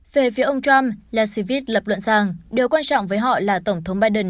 về phía ông trump lasivid lập luận rằng điều quan trọng với họ là tổng thống biden